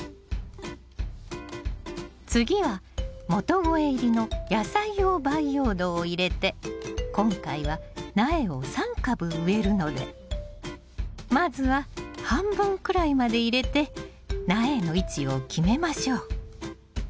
次は元肥入りの野菜用培養土を入れて今回は苗を３株植えるのでまずは半分くらいまで入れて苗の位置を決めましょう。